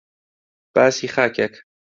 باسی خاکێک